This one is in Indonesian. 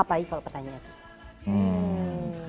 apalagi kalau pertanyaan sesusah